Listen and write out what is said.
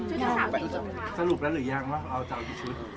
สรุปแล้วยังว่าเอาจากที่ชุด